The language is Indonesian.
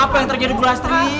apa yang terjadi bu lastri